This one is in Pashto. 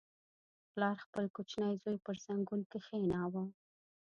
• پلار خپل کوچنی زوی پر زنګون کښېناوه.